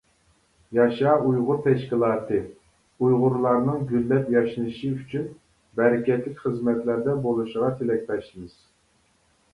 «ياشا ئۇيغۇر تەشكىلاتى» ئۇيغۇرلارنىڭ گۈللەپ ياشنىشى ئۈچۈن بەرىكەتلىك خىزمەتلەردە بولۇشىغا تىلەكداشمىز!